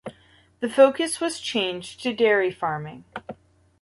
The focus was changed to dairy farming.